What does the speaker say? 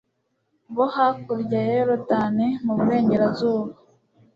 bo hakurya ya yorudani mu burengerazuba